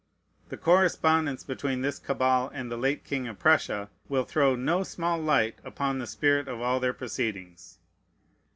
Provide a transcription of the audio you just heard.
The correspondence between this cabal and the late king of Prussia will throw no small light upon the spirit of all their proceedings.